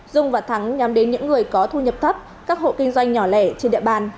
dung và thắng nhắm đến những người có thu nhập thấp các hộ kinh doanh nhỏ lẻ trên địa bàn